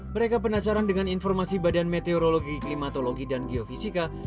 mereka penasaran dengan informasi badan meteorologi klimatologi dan geofisika